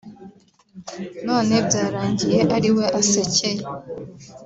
none byarangiye ari we asekeye